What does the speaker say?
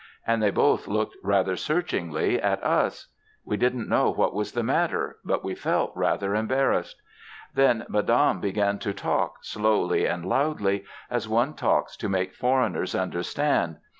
And they both looked rather searchingly at us. We didn't know what was the matter, but we felt rather embarrassed. Then Madame began to talk, slowly and loudly, as one talks to make foreigners understand.